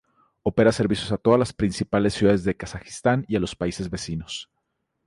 Opera servicios a todas las principales ciudades de Kazajistán y a los países vecinos.